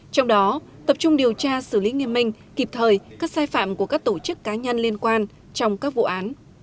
trong đó tập trung điều tra xử lý nghiêm minh kịp thời các sai phạm của các tổ chức cá nhân liên quan trong các vụ án